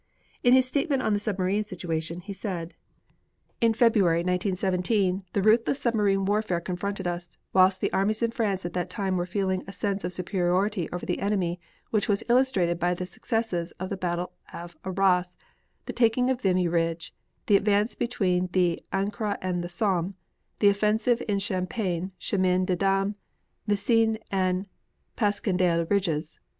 In his statement on the submarine situation he said: In February, 1917, the ruthless submarine warfare confronted us, whilst the armies in France at that time were feeling a sense of superiority over the enemy which was illustrated by the successes of the battle of Arras, the taking of Vimy Ridge, the advance between the Ancre and the Somme, the offensive in Champagne, Chemin des Dames, Messines and Passchendaele Ridges.